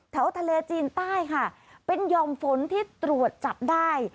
ทะเลจีนใต้ค่ะเป็นยอมฝนที่ตรวจจับได้